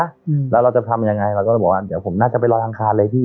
ตอนเท่านี้เท่านี้นะแล้วเราจะทำยังไงเราก็บอกว่าเดี๋ยวผมน่าจะไปรอยอังคารเลยพี่